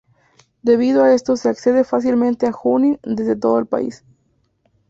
Debido a esto se accede fácilmente a Junín desde todo el país.